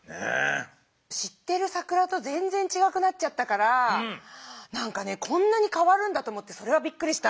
知ってる「さくら」と全然ちがくなっちゃったからこんなにかわるんだと思ってそれがびっくりした。